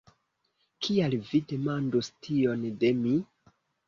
"Kial vi demandus tion de mi?